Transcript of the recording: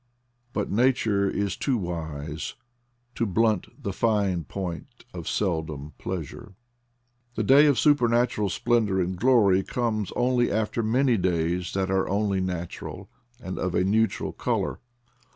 But Nature is too wise To blunt the fine point of seldom pleasure. The day of supernatural splendor and glory comes only after many days that are only natural, and of a neutral color.